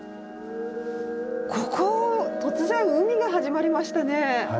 ここ突然海が始まりましたね。